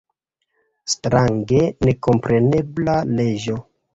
Strange nekomprenebla leĝo!